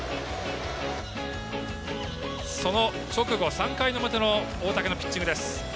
その直後、３回の表の大竹のピッチングです。